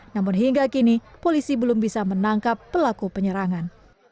namun hingga kini polisi belum bisa menangkap pelaku penyerangan